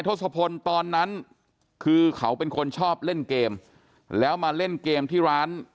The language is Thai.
ทศพลตอนนั้นคือเขาเป็นคนชอบเล่นเกมแล้วมาเล่นเกมที่ร้าน